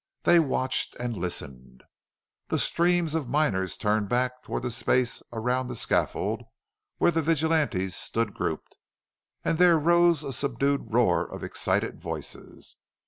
They watched and listened. The streams of miners turned back toward the space around the scaffold where the vigilantes stood grouped, and there rose a subdued roar of excited voices.